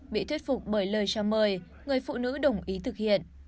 bị thuyết phục bởi lời chào mời người phụ nữ đồng ý thực hiện